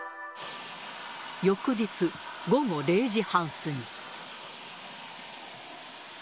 翌日午後０時半過ぎ。